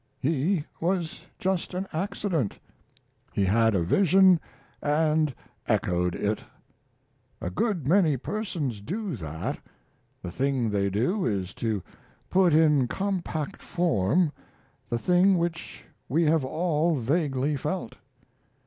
He was just an accident. He had a vision and echoed it. A good many persons do that the thing they do is to put in compact form the thing which we have all vaguely felt.